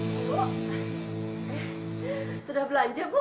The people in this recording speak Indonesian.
bu sudah belanja bu